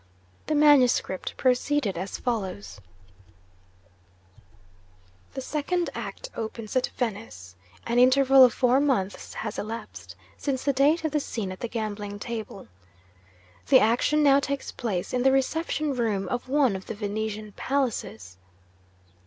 The manuscript proceeded as follows: 'The Second Act opens at Venice. An interval of four months has elapsed since the date of the scene at the gambling table. The action now takes place in the reception room of one of the Venetian palaces.